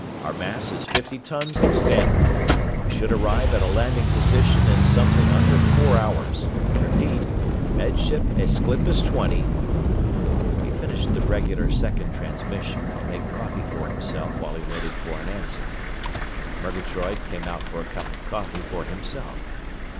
Our mass is fifty tons, standard. We should arrive at a landing position in something under four hours. Repeat. Med Ship Aesclipus Twenty...." He finished the regular second transmission and made coffee for himself while he waited for an answer. Murgatroyd came out for a cup of coffee for himself.